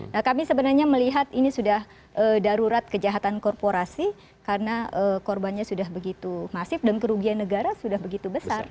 nah kami sebenarnya melihat ini sudah darurat kejahatan korporasi karena korbannya sudah begitu masif dan kerugian negara sudah begitu besar